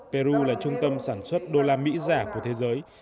peru là trung tâm sản xuất đô la mỹ giả của thế giới